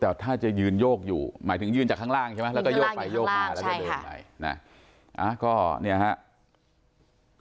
แต่ถ้ายืนโยกอยู่หมายถึงยืนจากข้างล่างแล้วก็โยกไปโยกมาแล้วจะเดินใหม่